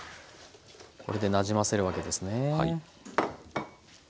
これでなじませるわけですね。